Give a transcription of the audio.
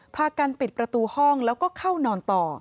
พากันปิดประตูห้องแล้วก็เข้านอนต่อ